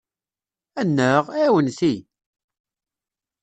Annaɣ! ɛiwnet-iyi!